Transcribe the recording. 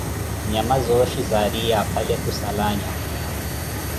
Nyama zooxhi zaariye aphale khusala anyakula.